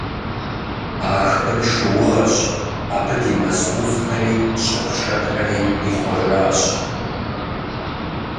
Ахын шыугъэщ, абы ди мэз Ӏувхэри щӀы пшэрхэри ихъуэжащ.